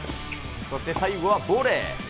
そして最後はボレー。